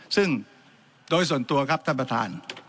ซึ่งโดยส่วนตัวครับท่านประธาน